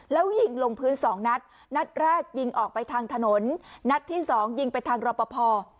แล้วยิงลงพื้นสองนัดนัดแรกยิงออกไปทางถนนนัดที่สองยิงไปทางรอปภ